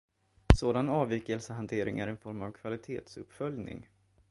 Sådan avvikelsehantering är en form av kvalitetsuppföljning.